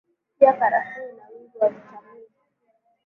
Pia Karafuu ina wingi wa vitamini